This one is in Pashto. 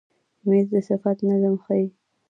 مېز د صنف نظم ښیي.